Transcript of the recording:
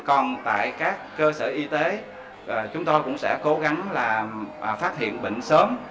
còn tại các cơ sở y tế chúng ta cũng sẽ cố gắng phát hiện bệnh sớm